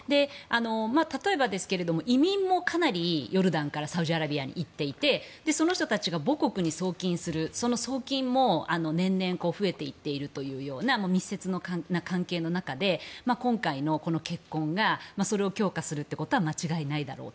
例えばですけれども移民もかなりヨルダンからサウジアラビアに行っていてその人たちが母国に送金するその送金も、年々増えていっているというような密接な関係の中で今回のこの結婚がそれを強化するってことは間違いないだろう。